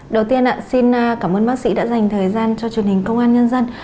đầu tiên xin cảm ơn bác sĩ đã dành thời gian cho truyền hình công an nhân dân